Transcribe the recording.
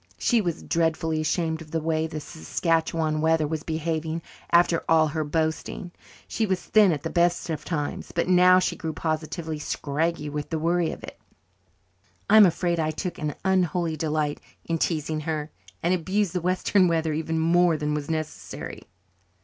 She was dreadfully ashamed of the way the Saskatchewan weather was behaving after all her boasting. She was thin at the best of times, but now she grew positively scraggy with the worry of it. I am afraid I took an unholy delight in teasing her, and abused the western weather even more than was necessary.